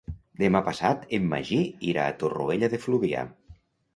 Demà passat en Magí irà a Torroella de Fluvià.